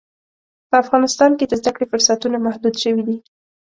په افغانستان کې د زده کړې فرصتونه محدود شوي دي.